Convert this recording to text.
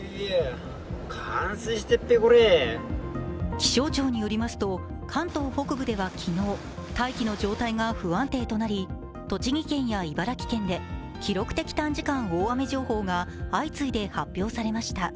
気象庁によりますと、関東北部では昨日、大気の状態が不安定となり、栃木県や茨城県で記録的短時間大雨情報が相次いで発表されました。